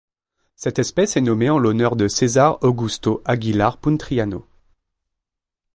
Cette espèce est nommée en l'honneur de César Augusto Aguilar Puntriano.